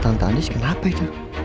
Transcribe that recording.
tante andis kenapa itu